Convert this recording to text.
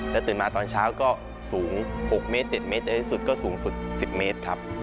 แต่ตื่นมาตอนเช้าก็สูง๖เมตร๗เมตรสุดก็สูงสุด๑๐เมตรครับ